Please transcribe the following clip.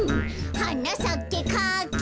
「はなさけかき」